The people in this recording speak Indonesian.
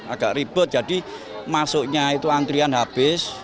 agak ribet jadi masuknya itu antrian habis